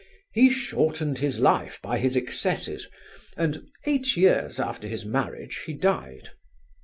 He shortened his life by his excesses, and eight years after his marriage he died.